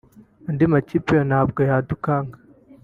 andi makipe yo ntabwo yadukanga